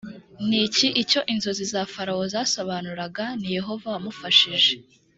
n iki icyo inzozi za farawo zasobanuraga ni yehova wamufashije